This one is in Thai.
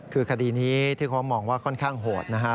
คือคดีนี้ที่เขามองว่าค่อนข้างโหดนะฮะ